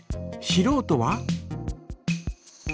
しろうとは？